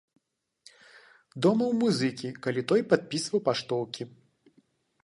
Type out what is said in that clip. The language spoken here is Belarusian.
Дома ў музыкі, калі той падпісваў паштоўкі.